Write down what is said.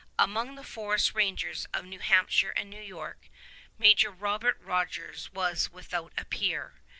Among the forest rangers of New Hampshire and New York, Major Robert Rogers was without a peer.